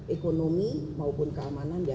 ekonomi maupun keamanan dan ketertiban